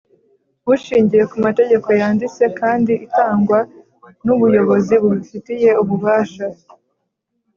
bushingiye ku mategeko yanditse kandi itangwa n’ubuyobozi bubifitiye ububasha